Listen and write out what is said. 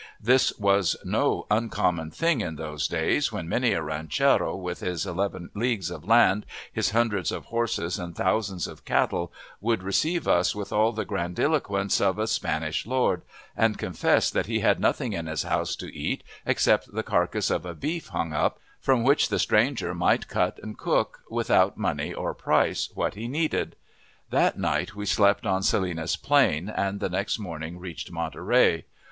This was no uncommon thing in those days, when many a ranchero with his eleven leagues of land, his hundreds of horses and thousands of cattle, would receive us with all the grandiloquence of a Spanish lord, and confess that he had nothing in his house to eat except the carcass of a beef hung up, from which the stranger might cut and cook, without money or price, what he needed. That night we slept on Salinas Plain, and the next morning reached Monterey.